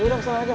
udah kesana aja